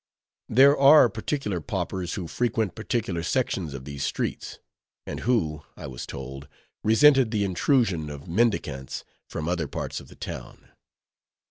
There are particular paupers who frequent particular sections of these streets, and who, I was told, resented the intrusion of mendicants from other parts of the town.